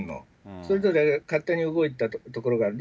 それぞれ勝手に動いたところがある。